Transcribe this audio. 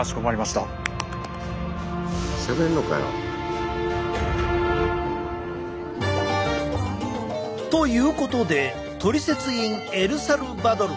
しゃべんのかよ。ということで「トリセツ」インエルサルバドル。